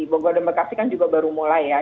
bogor dan bekasi kan juga baru mulai ya